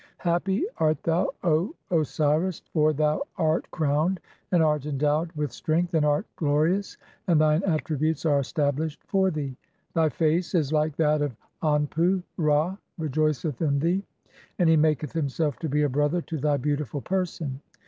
Happy art "thou, O Osiris, for thou art crowned, and art endowed with "strength, and art glorious ; and thine attributes are stablished "for thee. Thy face is like that of Anpu, (10) Ra rejoiceth in "thee, and he maketh himself to be a brother to thy beautiful "person.